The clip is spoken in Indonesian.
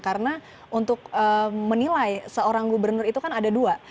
karena untuk menilai seorang gubernur itu kan ada dua